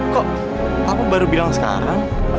kok aku baru bilang sekarang